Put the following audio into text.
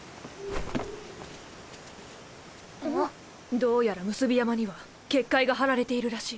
どうやら産霊山には結界が張られているらしい。